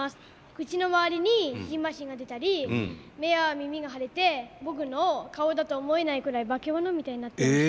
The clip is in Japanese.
口の周りに蕁麻疹が出たり目や耳が腫れて僕の顔だと思えないくらい化け物みたいになってました。